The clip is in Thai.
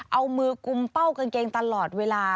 เอามือกุมเป้ากางเกงตลอดเวลา